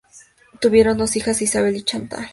Tuvieron dos hijas, Isabelle y Chantal.